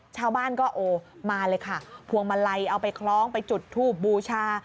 ชาวบ้านก็โอ้มาเลยค่ะพวงมาลัยเอาไปคล้องไปจุดทูบบูชา